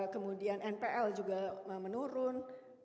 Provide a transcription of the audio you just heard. kemudian npl juga menurun